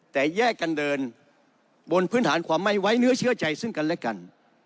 แต่แยกกันเดินบนพื้นฐานความไม่ไว้เนื้อเชื่อใจซึ่งกันและกัน